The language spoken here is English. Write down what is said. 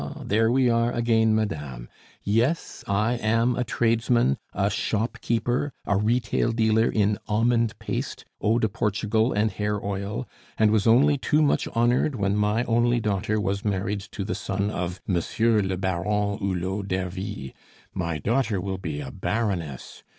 there we are again, madame! Yes, I am a tradesman, a shopkeeper, a retail dealer in almond paste, eau de Portugal, and hair oil, and was only too much honored when my only daughter was married to the son of Monsieur le Baron Hulot d'Ervy my daughter will be a Baroness!